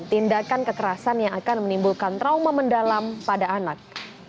tindakan kekerasan yang akan menimbulkan trauma mendalam pada anak